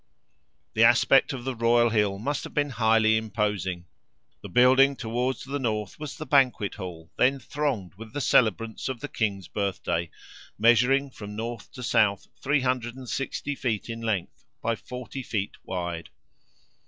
The aspect of the royal hill must have been highly imposing. The building towards the north was the Banquet Hall, then thronged with the celebrants of the King's birth day, measuring from north to south 360 feet in length by 40 feet wide.